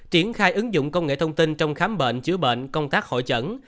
triển khai ứng dụng công nghệ thông tin trong khám bệnh chữa bệnh công tác hội trần